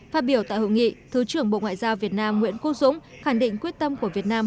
phát biểu tại hội nghị thứ trưởng bộ ngoại giao việt nam nguyễn quốc dũng khẳng định quyết tâm của việt nam